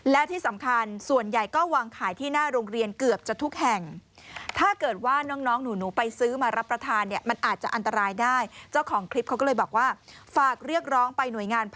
และที่สำคัญส่วนใหญ่ก็วางขายที่หน้าโรงเรียนเกือบจะทุกแห่ง